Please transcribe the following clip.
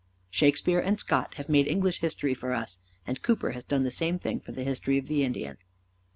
Shakespeare and Scott have made English history for us, and Cooper has done the same thing for the history of the Indian.